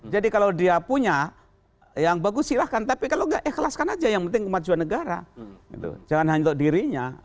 jadi kalau dia punya yang bagus silahkan tapi kalau gak ikhlaskan aja yang penting kemajuan negara jangan hanya untuk dirinya